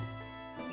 jangan kabur dulu